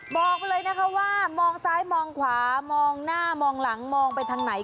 บอกเลยนะคะว่ามองซ้ายมองขวามองหน้ามองหลังมองไปทางไหน